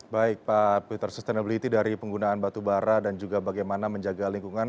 baik pak peter sustainability dari penggunaan batu bara dan juga bagaimana menjaga lingkungan